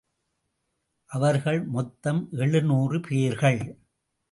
அவர்கள் மொத்தம் எழுநூறு பேர்கள்.